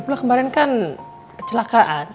pula kemarin kan kecelakaan